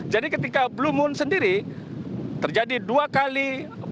jadi ketika blue moon sendiri terjadi dua kali